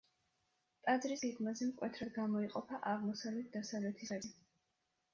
ტაძრის გეგმაზე მკვეთრად გამოიყოფა აღმოსავლეთ-დასავლეთის ღერძი.